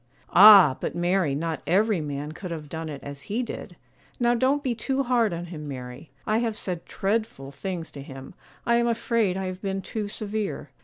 'Ah! but Mary, not every man could have done it as he did; now don't be too hard on him, Mary; I have said dreadful things to him; I am afraid I have been too severe.